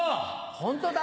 ホントだ。